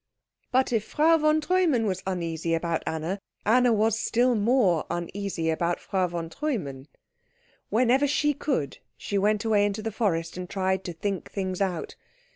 But if Frau von Treumann was uneasy about Anna, Anna was still more uneasy about Frau von Treumann. Whenever she could, she went away into the forest and tried to think things out.